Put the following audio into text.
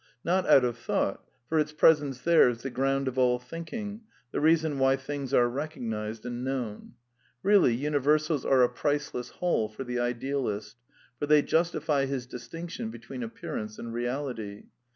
Not out of thought; for its presence there is the ground of all thinking, the reason why things are recognized and known. f[ Really, universals are a priceless haid for the idealist. I For tiiey justify his distinction between appearance and /•reality.